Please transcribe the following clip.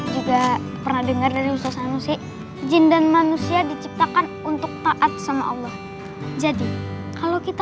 juga pernah dengar dari ustaz sanusi jin dan manusia diciptakan untuk taat sama allah jadi kalau kita